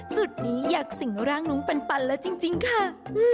จุดนี้อยากสิ่งร่างน้องปันแล้วจริงค่ะ